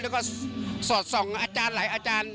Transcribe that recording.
แล้วก็สอดส่องอาจารย์หลายอาจารย์